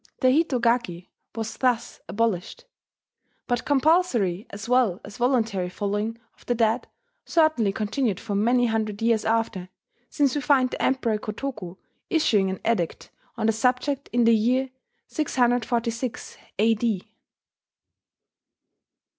The hitogaki, was thus abolished; but compulsory as well as voluntary following of the dead certainly continued for many hundred years after, since we find the Emperor Kotoku issuing an edict on the subject in the year 646 A.D.